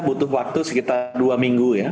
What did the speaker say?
butuh waktu sekitar dua minggu ya